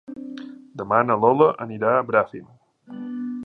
Demà na Lola anirà a Bràfim.